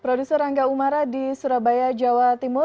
produser rangga umara di surabaya jawa timur